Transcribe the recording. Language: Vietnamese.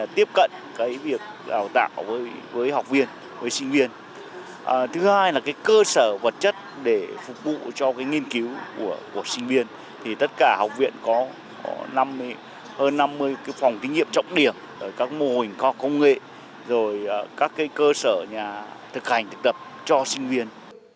để phục vụ cho nghiên cứu của sinh viên tất cả học viện có hơn năm mươi phòng kinh nghiệm trọng điểm các mô hình có công nghệ các cơ sở thực hành thực tập cho sinh viên